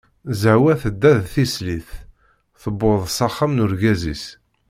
Zehwa tedda d tislit, tewweḍ s axxam n urgaz-is.